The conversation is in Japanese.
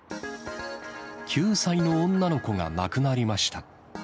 ９歳の女の子が亡くなりました。